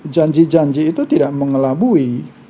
janji janji itu tidak mengelabui